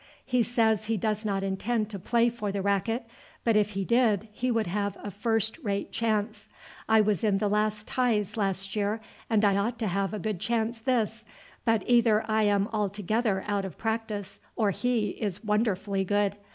He says he does not intend to play for the racket, but if he did he would have a first rate chance. I was in the last ties last year and I ought to have a good chance this, but either I am altogether out of practice or he is wonderfully good.